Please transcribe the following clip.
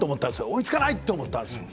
追いつかない！って思ったんですよ。